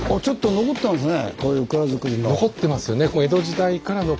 残ってますよね。